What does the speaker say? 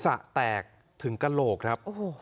กุณผู้ชมศีรษะแตกถึงกะโกรกครับ